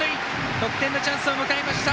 得点のチャンスを迎えました。